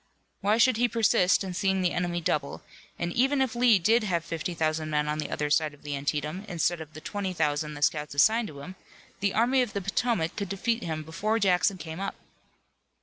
Why should he persist in seeing the enemy double, and even if Lee did have fifty thousand men on the other side of the Antietam, instead of the twenty thousand the scouts assigned to him, the Army of the Potomac could defeat him before Jackson came up.